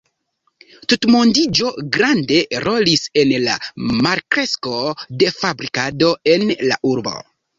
Tutmondiĝo grande rolis en la malkresko de fabrikado en la urbo.